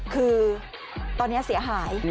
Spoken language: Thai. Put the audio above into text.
คือตอนนี้เสียหาย